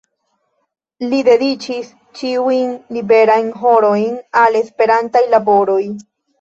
Li dediĉis ĉiujn liberajn horojn al Esperantaj laboroj.